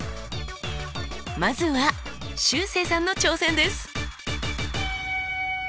まずはしゅうせいさんの挑戦です。